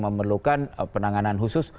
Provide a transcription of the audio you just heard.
memerlukan penanganan khusus